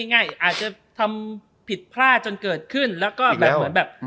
อาจจะทำผิดพลาดจนเกิดขึ้นแล้วก็แบบเหมือนแบบ